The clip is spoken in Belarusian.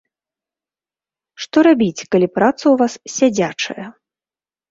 Што рабіць, калі праца ў вас сядзячая?